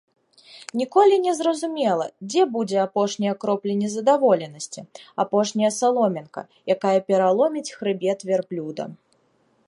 Ніколі не зразумела, дзе будзе апошняя кропля незадаволенасці, апошняя саломінка, якая пераломіць хрыбет вярблюда.